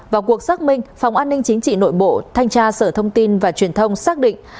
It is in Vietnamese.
vào cuộc xác minh phòng an ninh chính trị nội bộ thanh tra sở thông tin và truyền thông xác định